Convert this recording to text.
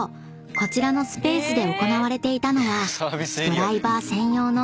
こちらのスペースで行われていたのはドライバー専用の］